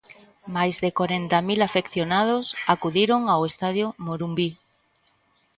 Máis de corenta mil afeccionados acudiron ao estadio Morumbí.